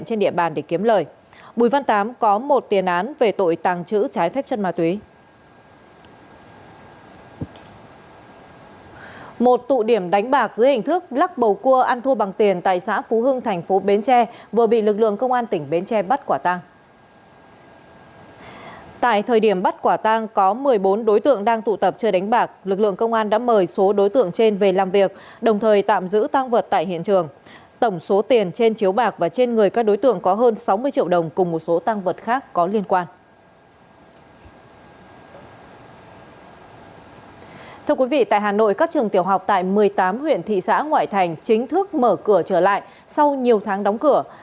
chào quý vị tại hà nội các trường tiểu học tại một mươi tám huyện thị xã ngoại thành chính thức mở cửa trở lại sau nhiều tháng đóng cửa